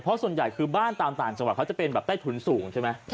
เพราะส่วนใหญ่คือบ้านตามต่างจังหวัดเขาจะเป็นแบบใต้ถุนสูงใช่ไหม